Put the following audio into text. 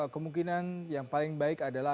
kemungkinan yang paling baik adalah